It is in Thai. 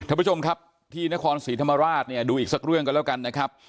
ท่านผู้ชมครับที่นครศรีธรรมราชเนี่ยดูอีกสักเรื่องกันแล้วกันนะครับ